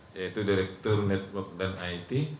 yaitu direktur network dan it